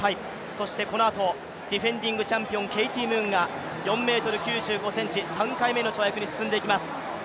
そしてこのあと、ディフェンディングチャンピオン、ケイティ・ムーンが４ｍ９５ｃｍ、３回目の跳躍に進んでいきます。